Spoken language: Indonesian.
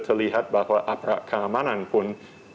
terlihat bahwa aparat keamanan pun